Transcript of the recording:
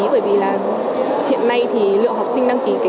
bởi vì hiện nay lượng học sinh đăng ký